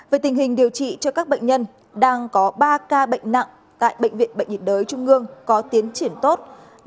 về tình hình điều trị cho các bệnh nhân đang có ba ca bệnh nặng tại bệnh viện bệnh nhiệt đới trung ương có tiến triển tốt